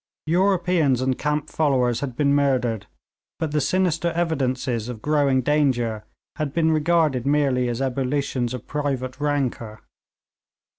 Europeans and camp followers had been murdered, but the sinister evidences of growing danger had been regarded merely as ebullitions of private rancour.